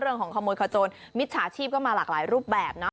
เรื่องของขโมยขจนมิตรสาชีพก็มาหลากหลายรูปแบบเนาะ